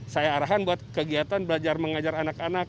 saya arahan buat kegiatan belajar mengajar anak anak